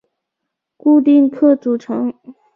固定客组成。